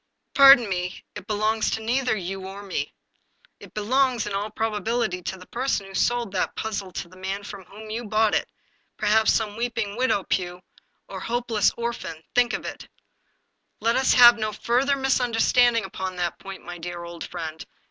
" Pardon me, it belongs neither to you nor to me. It be longs, in all probability, to the person who sold that puzzle to the man from whom you bought it — ^perhaps some weep ing widow, Pugh, or hopeless orphan — ^think of it Let us 258 The Puzzle have no further misunderstanding upon that point, my dear old friend.